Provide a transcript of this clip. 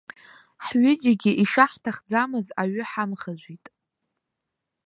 Ҳҩыџьагьы ишаҳҭахӡамыз аҩы ҳамхажәит.